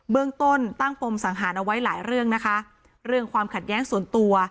เรื่องต้นตั้งปมสังหารเอาไว้หลายเรื่องนะคะเรื่องความขัดแย้งส่วนตัว